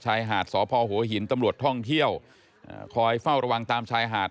ชายหาดสพหัวหินตำรวจท่องเที่ยวคอยเฝ้าระวังตามชายหาด